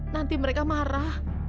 nanti mereka marah